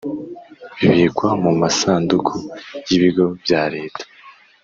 Bibikwa mu masanduku y ‘ibigo bya Leta.